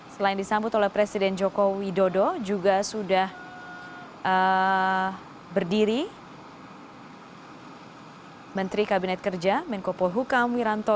selain disambut oleh presiden jokowi dodo juga sudah berdiri menteri kabinet kerja menkopol hukam wiranto